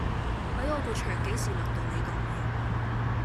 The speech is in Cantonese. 喺我個場幾時輪到你講嘢